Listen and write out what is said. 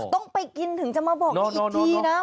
ต้องไปกินถึงจะมาบอกได้อีกทีนะ